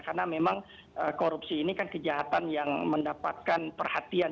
karena memang korupsi ini kan kejahatan yang mendapatkan perhatian